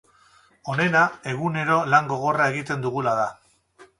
Onena, egunero lan gogorra egiten dugula da.